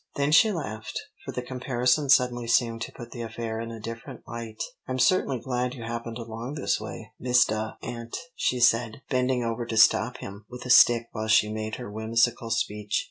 Then she laughed, for the comparison suddenly seemed to put the affair in a different light. "I'm certainly glad you happened along this way, Mistah Ant," she said, bending over to stop him with a stick while she made her whimsical speech.